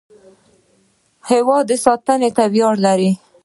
هیواد ساتنې ته اړتیا لري.